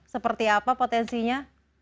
seperti apa potensinya